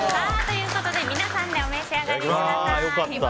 皆さんでお召し上がりください。